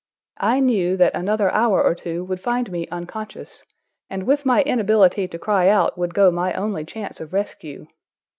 I knew that another hour or two would find me unconscious, and with my inability to cry out would go my only chance of rescue.